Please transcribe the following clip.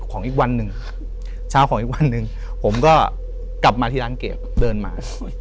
อีกวันหนึ่งเช้าของอีกวันหนึ่งผมก็กลับมาที่ร้านเก็บเดินมา